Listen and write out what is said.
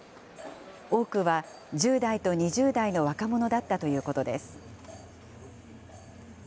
多くは１０代と２０代の若者だったということです。